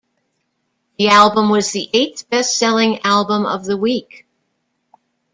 The album was the eighth best-selling album of the week.